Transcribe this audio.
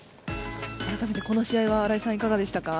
あらためてこの試合は新井さんいかがでしたか？